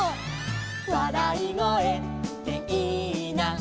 「わらいごえっていいな」